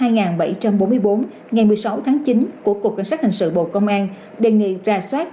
ngày một mươi sáu tháng chín của cục cảnh sát hình sự bộ công an đề nghị ra soát